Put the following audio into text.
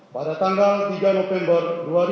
pada tanggal tiga november dua ribu dua puluh